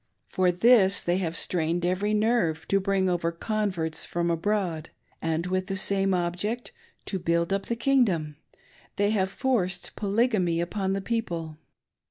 For this they have strained every nerve to bring over converts from abroad, and with the same object — to " build up the king dom"— they have forced Polygamy upon the people.